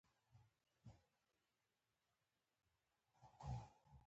ترې اخیستنه یې بیا ناځواني ده.